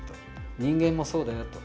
人間もそうだよと。